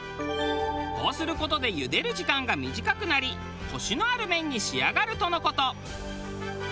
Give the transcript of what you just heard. こうする事で茹でる時間が短くなりコシのある麺に仕上がるとの事。